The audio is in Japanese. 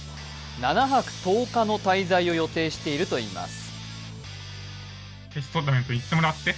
７泊１０日の滞在を予定しているといいます。